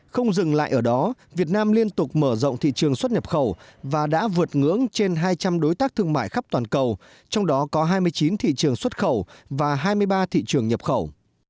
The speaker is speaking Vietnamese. không dừng lại ở đó việt nam liên tục mở rộng thị trường xuất nhập khẩu và đã vượt ngưỡng trên hai trăm linh đối tác thương mại khắp toàn cầu trong đó có hai mươi chín thị trường xuất khẩu và hai mươi ba thị trường nhập khẩu